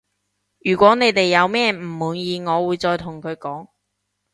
如果你哋有咩唔滿意我會再同佢講